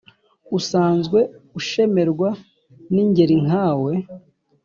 Usanzwe ushemerwa n'ingeri nkawe